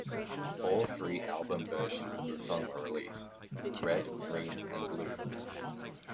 All three album versions of the song were released: Red, Green and Blue.